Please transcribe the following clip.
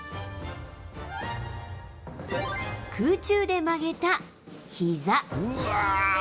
Ｂ、空中で曲げたひざ。